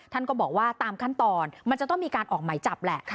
ท่านก็บอกว่าตามขั้นตอนมันจะต้องมีการออกหมายจับแหละ